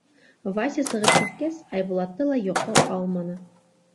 Вася сығып киткәс, Айбулатты ла йоҡо алманы.